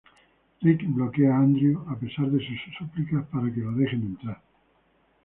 Rick bloquea a Andrew, a pesar de sus súplicas para que lo dejen entrar.